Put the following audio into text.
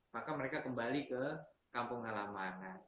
maka mereka kembali ke kampung halaman